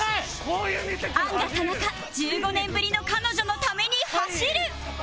アンガ田中１５年ぶりの彼女のために走る